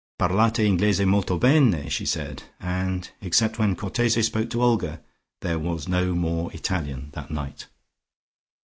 "Parlate Inglese molto bene," she said, and except when Cortese spoke to Olga, there was no more Italian that night.